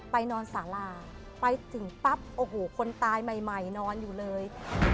นอนสาราไปถึงปั๊บโอ้โหคนตายใหม่นอนอยู่เลย